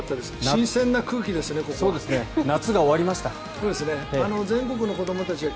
新鮮な空気ですね、ここは。